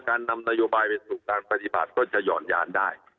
นำนโยบายไปสู่การปฏิบัติก็จะห่อนยานได้